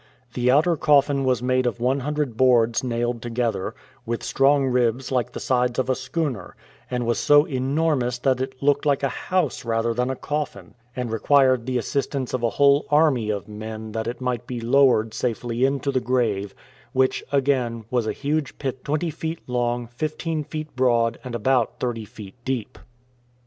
The outer coffin was made of 100 boards nailed together, with strong ribs like the sides of a schooner, and was so enormous that it looked like a house rather than a coffin, and required the assistance of a whole army of men that it no KING MWANGA AND MARTYRS might be lowered safely into the grave, which, again, was a huge pit twenty feet long, fifteen feet broad, and about thirty feet deep.